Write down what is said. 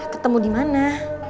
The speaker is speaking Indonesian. ketemu di mana